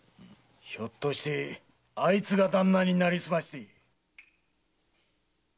ひょっとしてあいつがだんなになりすまして。